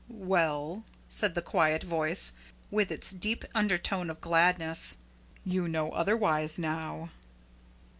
"Well?" said the quiet voice, with its deep undertone of gladness. "You know otherwise now."